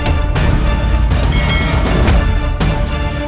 rasakanlah jurus baruku